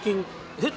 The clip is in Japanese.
えっ？